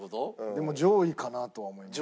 でも上位かなとは思います。